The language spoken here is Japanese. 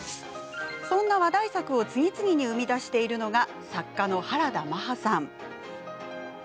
そんな話題作を次々に生み出しているのが作家の原田マハさん。